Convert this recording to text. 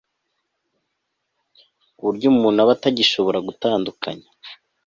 ku buryo umuntu aba atagishobora gutandukanya